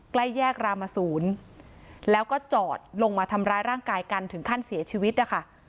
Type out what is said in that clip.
ใกล้แยกรามศูนย์แล้วก็จอดลงมาทำร้ายร่างกายกันถึงขั้นเสียชีวิตนะคะ